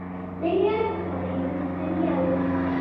د هرات پخوانی نوم اریا و